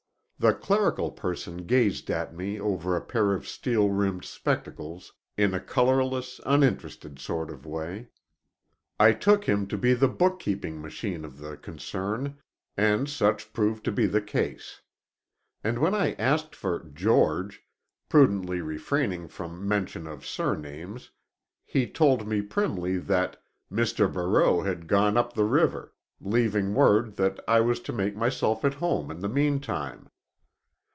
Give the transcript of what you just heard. The clerical person gazed at me over a pair of steel rimmed spectacles in a colorless, uninterested sort of way. I took him to be the bookkeeping machine of the concern, and such proved to be the case. And when I asked for "George," prudently refraining from mention of surnames he told me primly that "Mr. Barreau" had gone up the river, leaving word that I was to make myself at home in the meantime.